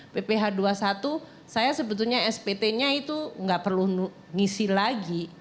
pph dua puluh satu saya sebetulnya spt nya itu nggak perlu ngisi lagi